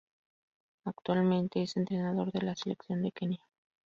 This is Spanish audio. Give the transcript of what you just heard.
Actualmente es entrenador de la Seleccion de Kenia.